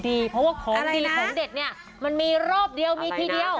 เพราะว่าของดีของเด็ดเนี่ยมันมีรอบเดียวมีทีเดียว